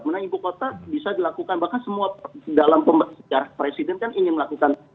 karena ibu kota bisa dilakukan bahkan semua dalam sejarah presiden kan ingin melakukan